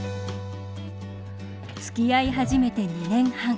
つきあい始めて２年半。